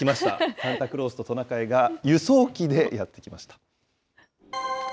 サンタクロースとトナカイが輸送機でやって来ました。